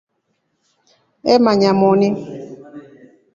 Eemanya moni.